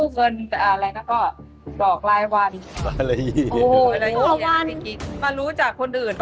เงินที่เอามาทำร้านนี่